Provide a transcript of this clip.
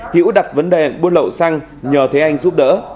hiễu đặt vấn đề buôn lậu xăng nhờ thế anh giúp đỡ